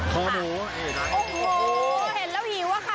เป็นข้อหมูค่ะ